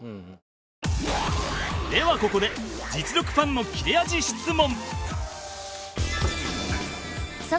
ではここで実力ファンの切れ味質問